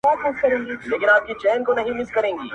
هغه لږ خبري کوي تل.